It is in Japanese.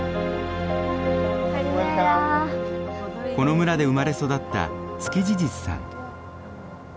この村で生まれ育ったツキジジスさん。